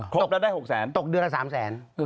ครบแล้วได้๖แสนตกเดือนละ๓แสน